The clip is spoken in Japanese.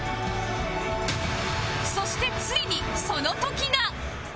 そしてついにその時が